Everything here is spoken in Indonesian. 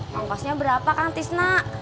pangkosnya berapa kang tisna